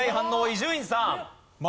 伊集院さん。